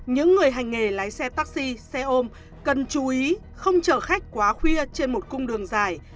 những người hành nghề lái xe taxi xe ôm cần chú ý không chở khách quá khuya trên một cung đường dài